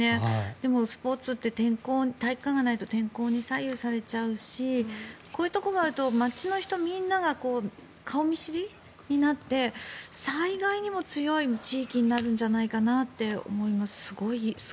でもスポーツって体育館がないと天候に左右されちゃうしこういうところがあると街の人みんなが顔見知りになって災害にも強い地域になるんじゃないかなって思います。